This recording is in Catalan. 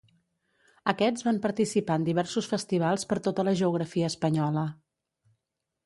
Aquests van participar en diversos festivals per tota la geografia espanyola.